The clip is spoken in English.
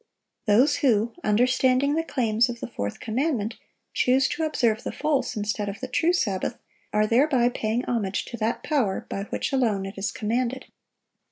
Those who, understanding the claims of the fourth commandment, choose to observe the false instead of the true Sabbath, are thereby paying homage to that power by which alone it is commanded.